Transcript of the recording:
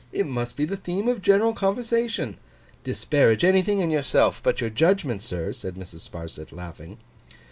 It must be the theme of general conversation. Disparage anything in yourself but your judgment, sir,' said Mrs. Sparsit, laughing.